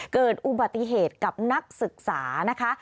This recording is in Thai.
เกิดอุบัติเหตุกับนักศึกษานะคะ